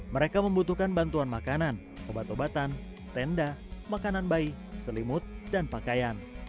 mereka membutuhkan bantuan makanan obat obatan tenda makanan bayi selimut dan pakaian